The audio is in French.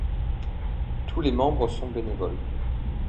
Tous les membres sont bénévoles.